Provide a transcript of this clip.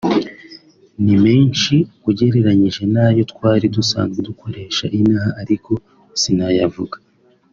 ni menshi ugereranyije n’ayo twari dusanzwe dukoresha inaha ariko sinayavuga